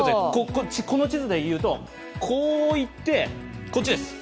この地図でいうと、こういってこっちです。